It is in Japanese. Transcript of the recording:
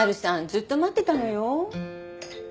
ずっと待ってたのよ。